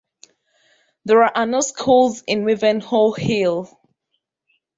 There are no school in Wivenhoe Hill.